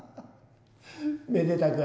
めでたく